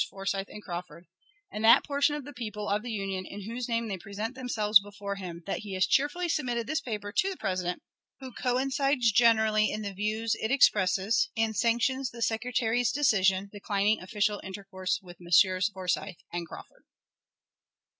Forsyth and Crawford, and that portion of the people of the Union in whose name they present themselves before him, that he has cheerfully submitted this paper to the President, who coincides generally in the views it expresses, and sanctions the Secretary's decision declining official intercourse with Messrs. Forsyth and Crawford.